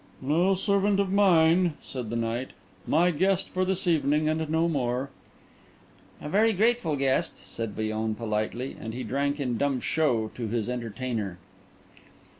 "No servant of mine," said the knight; "my guest for this evening, and no more." "A very grateful guest," said Villon politely; and he drank in dumb show to his entertainer.